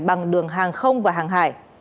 bằng đường hàng không và hàng hải